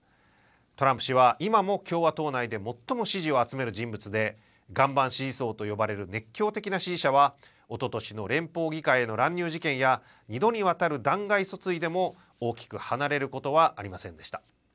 トランプ氏は今も共和党内で最も支持を集める人物で岩盤支持層と呼ばれる熱狂的な支持者はおととしの連邦議会への乱入事件や２度にわたる弾劾訴追でも大きく離れることはありませんでした。